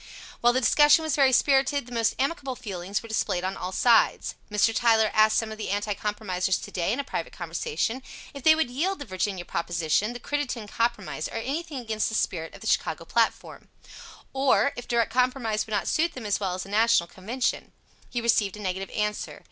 While the discussion was very spirited, the most amicable feelings were displayed on all sides. Mr. Tyler asked some of the Anti Compromisers to day, in a private conversation, if they would yield the Virginia proposition, the Crittenden Compromise, or anything against the spirit of the Chicago Platform. Or if direct compromise would not suit them as well as a National convention. He received a negative answer.